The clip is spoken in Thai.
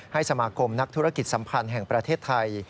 สมาคมนักธุรกิจสัมพันธ์แห่งประเทศไทย